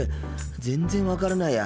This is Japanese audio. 全然分からないや。